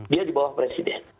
dia di bawah presiden